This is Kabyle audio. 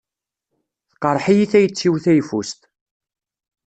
Tqerreḥ-iyi tayet-iw tayeffust.